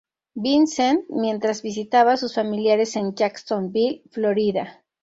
Vincent mientras visitaba a sus familiares en Jacksonville, Florida.